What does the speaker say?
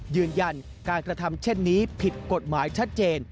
ยืนยันการกระทำเช่นนี้ผิดกฎหมายชัดเจน